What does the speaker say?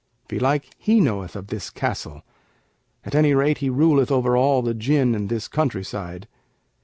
Belike he knoweth of this castle; at any rate he ruleth over all the Jinn in this country side.'